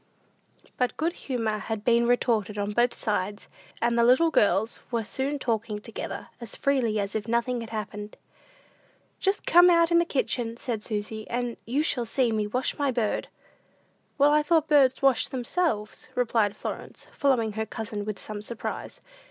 But good humor had been restored on both sides, and the little girls were soon talking together, as freely as if nothing had happened. "Just come out in the kitchen," said Susy, "and you shall see me wash my bird." "Why, I thought birds washed themselves," replied Florence, following her cousin with some surprise.